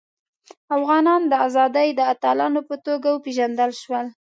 افغانان د ازادۍ د اتلانو په توګه وپيژندل شول.